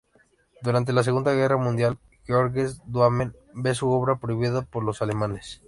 Durante la Segunda Guerra Mundial, Georges Duhamel ve su obra prohibida por los alemanes.